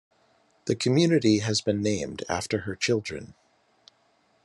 The community has been named after her children.